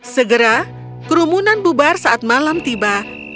segera kerumunan bubar saat malam tiba